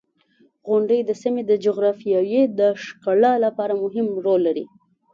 • غونډۍ د سیمې د جغرافیې د ښکلا لپاره مهم رول لري.